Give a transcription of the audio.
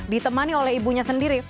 ditemani oleh ibunya sendiri